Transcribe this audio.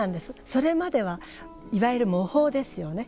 それまではいわゆる模倣ですよね。